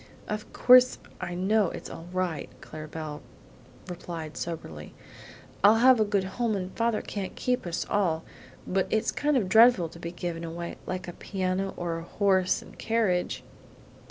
"Of course I know it's all right," Clara Belle replied soberly. "I'll have a good home and father can't keep us all; but it's kind of dreadful to be given away, like a piano or a horse and carriage!"